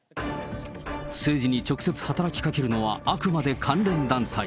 政治に直接働きかけるのはあくまで関連団体。